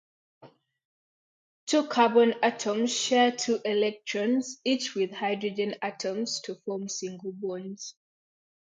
Two carbon atoms share two electrons each with hydrogen atoms to form single bonds.